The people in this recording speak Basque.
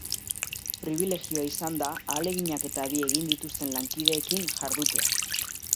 Pribilegioa izan da ahaleginak eta bi egin dituzten lankideekin jardutea.